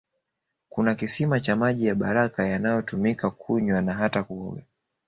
Kuna kisima cha maji ya baraka yanayotumika kunywa na hata kuoga